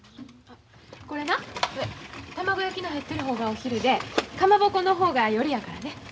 これな卵焼きの入ってる方がお昼でかまぼこの方が夜やからね。